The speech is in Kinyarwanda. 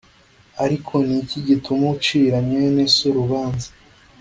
Ariko ni iki gituma ucira mwene So urubanza